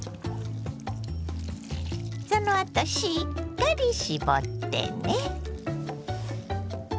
そのあとしっかり絞ってね。